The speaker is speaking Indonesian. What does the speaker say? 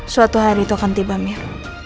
suatu hari itu akan tiba mir